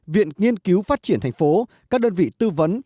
viện nghiên cứu phát triển thành phố các đơn vị tư vấn